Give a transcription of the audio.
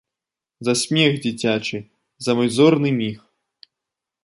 За смех дзіцячы, за мой зорны міг.